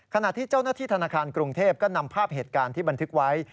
ขณะที่เจ้าหน้าที่ธนาคารกรุงเทพก็นำภาพเหตุการณ์ที่บันทึกไว้